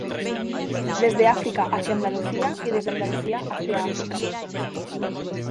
Desde África hacia Andalucía y desde Andalucía hacia África.